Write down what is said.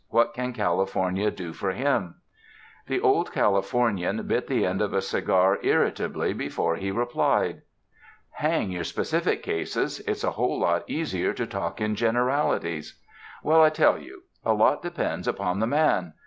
What can California do for him?" The Old Californian bit the end of a cigar irrita bly before he replied : 248 u bo o RESIDENCE IN THE LAND OF SUNSHINE ''Hang your specific cases, it's a whole lot easier to talk in generalities. Well, I tell you; a lot de pends upon the man.